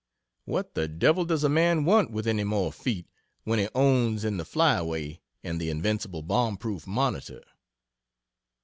What the devil does a man want with any more feet when he owns in the Flyaway and the invincible bomb proof Monitor?